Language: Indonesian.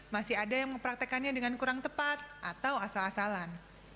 masih ada yang mempraktekannya dengan kurang tepat atau asal asalan